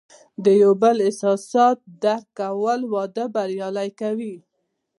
د یو بل احساسات درک کول، واده بریالی کوي.